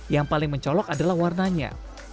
yang paling mencolok adalah warnanya